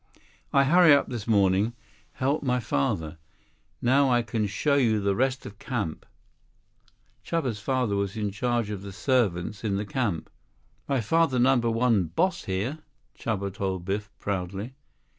"I hurry up this morning. Help my father. Now I can show you rest of camp." Chuba's father was in charge of the servants in the camp. "My father Number One Boss here," Chuba told Biff proudly.